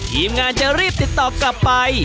ทีมงานจะรีบติดต่อกลับไป